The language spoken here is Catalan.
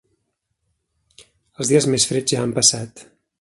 Els dies més freds ja han passat.